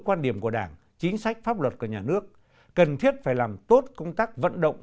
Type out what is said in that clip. quan điểm của đảng chính sách pháp luật của nhà nước cần thiết phải làm tốt công tác vận động